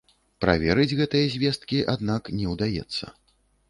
Праверыць гэтыя звесткі, аднак, не ўдаецца.